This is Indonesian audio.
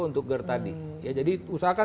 untuk ger tadi jadi usahakan